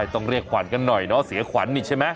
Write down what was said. ต้องเรียกขวัญกันหน่อยเนาะเสียขวัญนี่ใช่ไหม